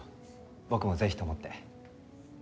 僕もぜひと思って。